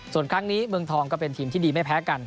ส่วนครั้งนี้เมืองทองก็เป็นทีมที่ดีไม่แพ้กัน